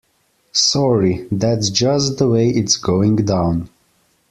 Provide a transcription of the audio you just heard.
Sorry, that's just the way it's going down.